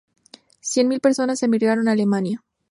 Cien mil personas emigraron a Alemania.